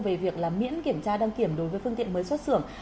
về việc miễn kiểm tra đăng kiểm đối với phương tiện mới xuất xưởng